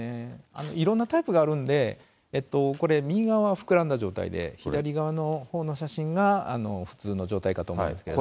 いろんなタイプがあるので、これ、右側は膨らんだ状態で、左側のほうの写真が普通の状態かと思うんですけれども。